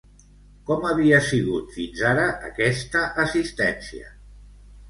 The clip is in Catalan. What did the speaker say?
Com havia sigut, fins ara, aquesta assistència?